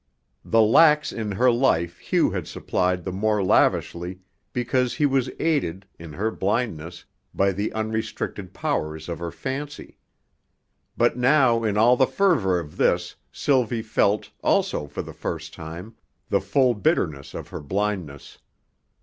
The lacks in her life Hugh had supplied the more lavishly because he was aided, in her blindness, by the unrestricted powers of her fancy. But now in all the fervor of this, Sylvie felt, also for the first time, the full bitterness of her blindness.